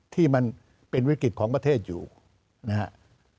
ที่มันเป็นวิกฤตของประเทศอยู่นะครับ